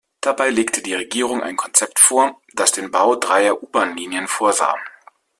Dabei legte die Regierung ein Konzept vor, das den Bau dreier U-Bahn-Linien vorsah.